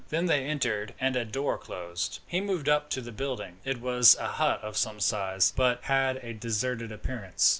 Then they entered, and a door closed. He moved up to the building. It was a hut of some size, but had a deserted appearance.